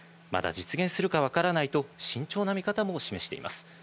まだ実現するかわからないと慎重な見方も示しています。